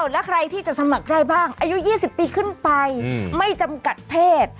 แล้วใครที่จะสมัครได้บ้างอายุ๒๐ปีขึ้นไปไม่จำกัดเพศ